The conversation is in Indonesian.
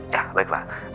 ya baik pak